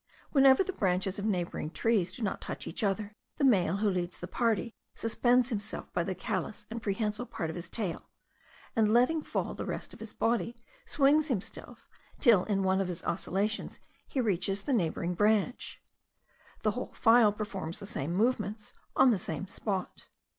Whenever the branches of neighbouring trees do not touch each other, the male who leads the party suspends himself by the callous and prehensile part of his tail; and, letting fall the rest of his body, swings himself till in one of his oscillations he reaches the neighbouring branch. The whole file performs the same movements on the same spot.